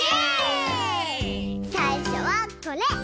さいしょはこれ！